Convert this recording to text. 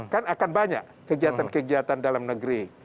kan akan banyak kegiatan kegiatan dalam negeri